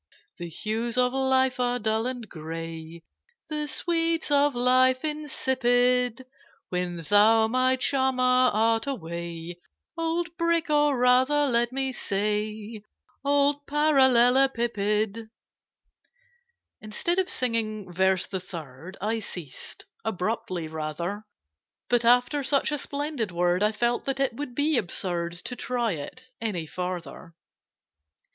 The hues of life are dull and gray, The sweets of life insipid, When thou, my charmer, art away— Old Brick, or rather, let me say, Old Parallelepiped!' Instead of singing Verse the Third, I ceased—abruptly, rather: But, after such a splendid word I felt that it would be absurd To try it any farther.